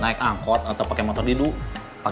baji nih misalnya mau posisi kalimantan di luar proses